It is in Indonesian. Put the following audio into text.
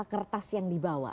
kertas yang dibawa